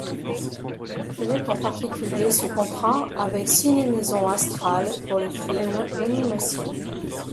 Elle est en particulier sous contrat avec Ciné-Maison Astral pour les films d'animation.